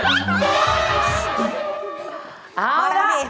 เพียรติ